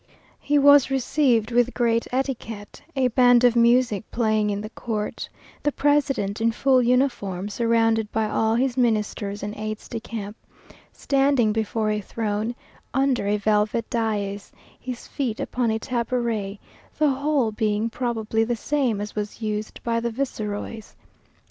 He was received with great etiquette, a band of music playing in the court, the President in full uniform, surrounded by all his Ministers and aides de camp, standing before a throne, under a velvet dais, his feet upon a tabouret, the whole being probably the same as was used by the viceroys.